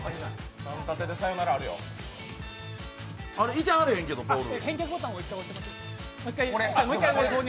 いてはらへんけど、ボール。